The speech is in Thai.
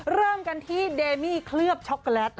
เริ่มกันที่เดมี่เคลือบช็อกโกแลต